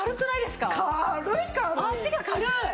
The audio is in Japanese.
足が軽い！